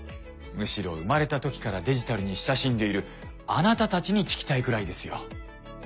むしろ生まれた時からデジタルに親しんでいるあなたたちに聞きたいくらいですよ。